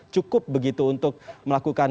cukup begitu untuk melakukan